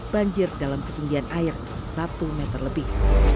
banjir dalam ketinggian air satu meter lebih